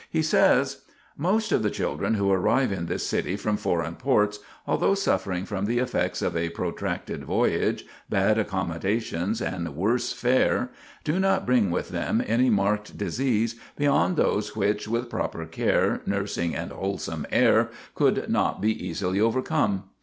He says: "Most of the children who arrive in this city from foreign ports, although suffering from the effects of a protracted voyage, bad accommodations, and worse fare, do not bring with them any marked disease beyond those which, with proper care, nursing, and wholesome air, could not be easily overcome.